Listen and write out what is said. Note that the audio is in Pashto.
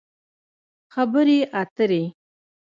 خبرې اترې